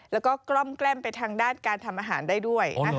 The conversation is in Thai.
แล้วก็กล้อมแกล้มไปทางด้านการทำอาหารได้ด้วย